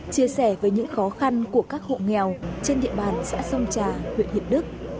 chia sẻ với những khó khăn của các hộ nghèo trên địa bàn xã sông trà huyện hiệp đức